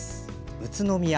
宇都宮。